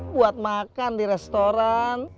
buat makan di restoran